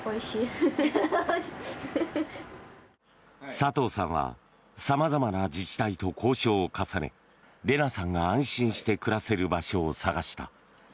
佐藤さんは様々な自治体と交渉を重ねレナさんが安心して暮らせる場所を探した。